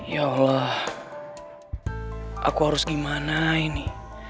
ya allah aku harus gimana ini